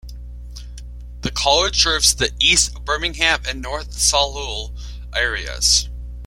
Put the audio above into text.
The College serves the East Birmingham and North Solihull areas.